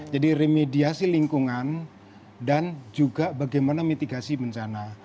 jadi remediasi lingkungan dan juga bagaimana mitigasi bencana